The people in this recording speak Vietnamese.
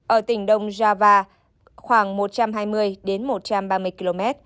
ở tỉnh đông java khoảng một trăm hai mươi đến một trăm ba mươi km